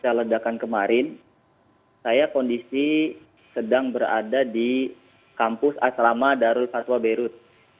ya jadi pasca ledakan kemarin saya kondisi sedang berada di kampus asrama darul faswa beirut